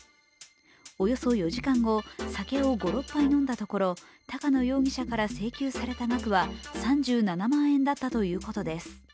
およそ４時間後、酒を５６杯飲んだところ高野容疑者から請求された額は３７万円だったということです。